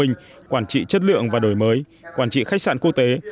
công nghệ thông minh quản trị chất lượng và đổi mới quản trị khách sạn quốc tế